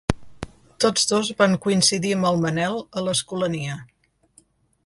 Tots dos van coincidir amb el Manel a l'Escolania.